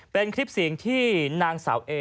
เป็นคลิปเสียงที่นางสาวเอ